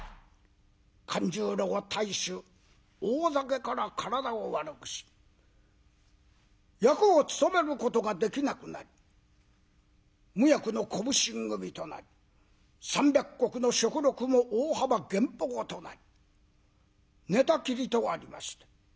勘十郎は大酒大酒から体を悪くし役を務めることができなくなり無役の小普請組となり３００石の小禄も大幅減俸となり寝たきりとありました。